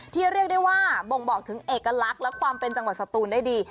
เรียกได้ว่าบ่งบอกถึงเอกลักษณ์และความเป็นจังหวัดสตูนได้ดี